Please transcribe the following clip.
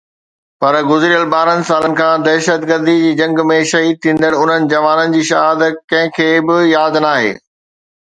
پر گذريل ٻارهن سالن کان دهشتگردي جي جنگ ۾ شهيد ٿيندڙ انهن جوانن جي شهادت ڪنهن کي به ياد ناهي.